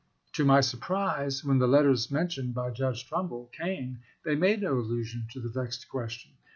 To my surprise, when the letters mentioned by Judge Trumbull came they made no allusion to the " vexed question."